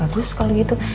ya bagus kalau gitu